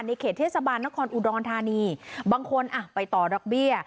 เขตเทศบาลนครอุดรธานีบางคนอ่ะไปต่อดอกเบี้ย